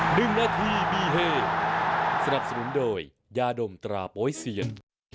หนึ่งนาทีมีเฮสนับสนุนโดยยาดมตราโป๊ยเซียน